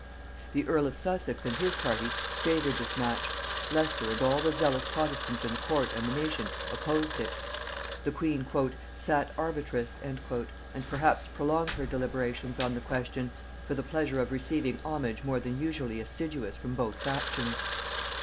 The earl of Sussex and his party favored this match, Leicester and all the zealous protestants in the court and the nation opposed it. The queen "sat arbitress," and perhaps prolonged her deliberations on the question, for the pleasure of receiving homage more than usually assiduous from both factions.